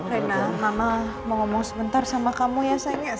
rena mama mau ngomong sebentar sama kamu ya